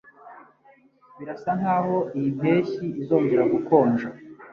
Birasa nkaho iyi mpeshyi izongera gukonja.